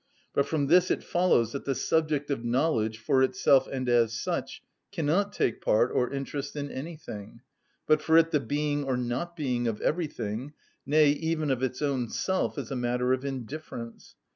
But from this it follows that the subject of knowledge, for itself and as such, cannot take part or interest in anything, but for it the being or not being of everything, nay, even of its own self, is a matter of indifference.